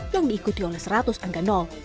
yang diikuti oleh seratus anggal